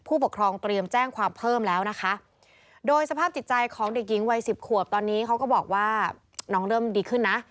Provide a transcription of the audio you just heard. ผู้ปกครองเตรียมแจ้งความเพิ่มแล้วนะคะโดยสภาพจิตใจของเด็กหญิงวัยสิบขวบตอนนี้เขาก็บอกว่าน้องเริ่มดีขึ้นนะ